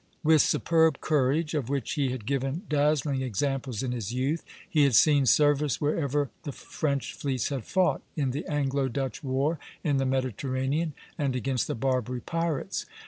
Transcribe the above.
With superb courage, of which he had given dazzling examples in his youth, he had seen service wherever the French fleets had fought, in the Anglo Dutch war, in the Mediterranean, and against the Barbary pirates.